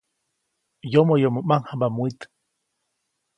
Yomoyomo ʼmaŋjamba mwit.